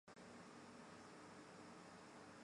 但香川真司仍留在大阪樱花。